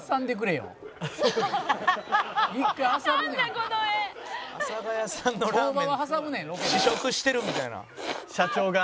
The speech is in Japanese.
この画」「阿佐ヶ谷さんのラーメン試食してるみたいな」「社長が」